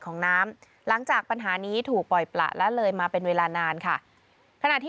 ทรงมีลายพระราชกระแสรับสู่ภาคใต้